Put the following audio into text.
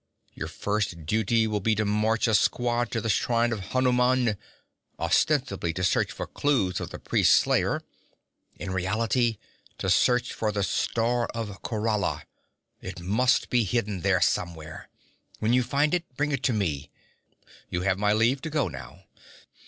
Your first duty will be to march a squad to the shrine of Hanuman, ostensibly to search for clues of the priest's slayer; in reality to search for the Star of Khorala. It must be hidden there somewhere. When you find it, bring it to me. You have my leave to go now.'